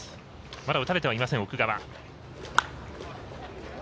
まだ打たれてはいません、奥川。